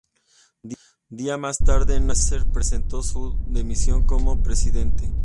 Días más tarde, Nasser presentó su dimisión como presidente.